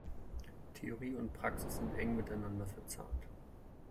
Theorie und Praxis sind eng miteinander verzahnt.